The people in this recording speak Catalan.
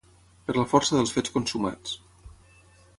Per la força dels fets consumats